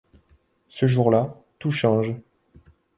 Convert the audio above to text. Ce jour-là, tout change.